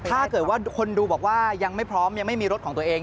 ถ้าเกิดว่าคนดูบอกว่ายังไม่พร้อมยังไม่มีรถของตัวเอง